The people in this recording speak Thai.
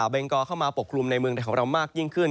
เบงกอเข้ามาปกคลุมในเมืองไทยของเรามากยิ่งขึ้น